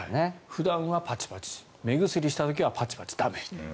普段はパチパチ目薬した時はパチパチ駄目。